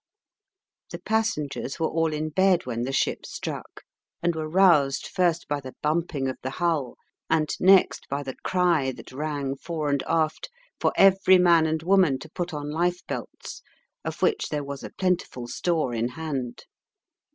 The passengers were all in bed when the ship struck, and were roused first by the bumping of the hull, and next by the cry that rang fore and aft for every man and woman to put on life belts, of which there was a plentiful store in hand.